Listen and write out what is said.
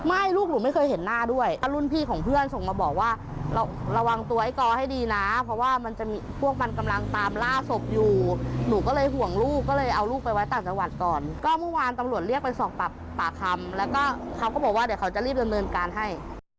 ลูกหนูไม่เคยเห็นหน้าด้วยรุ่นพี่ของเพื่อนส่งมาบอกว่าระวังตัวไอ้กอให้ดีนะเพราะว่ามันจะมีพวกมันกำลังตามล่าศพอยู่หนูก็เลยห่วงลูกก็เลยเอาลูกไปไว้ต่างจังหวัดก่อนก็เมื่อวานตำรวจเรียกไปสอบปากคำแล้วก็เขาก็บอกว่าเดี๋ยวเขาจะรีบดำเนินการให้